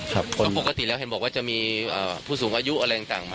เพราะปกติแล้วเห็นบอกว่าจะมีผู้สูงอายุอะไรต่างมา